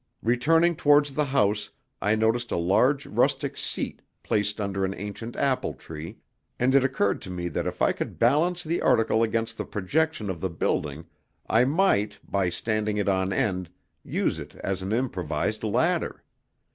Returning towards the house I noticed a large rustic seat placed under an ancient apple tree, and it occurred to me that if I could balance the article against the projection of the building I might, by standing it on end, use it as an improvised ladder.